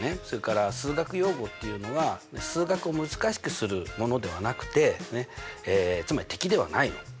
それから数学用語っていうのは数学を難しくするものではなくてつまり敵ではないの。